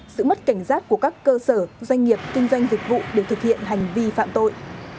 sự mất cảnh giác của các cơ sở doanh nghiệp kinh doanh dịch vụ để thực hiện hành vi phạm tội